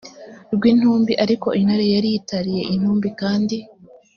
rw intumbi ariko intare yari itariye intumbi kandi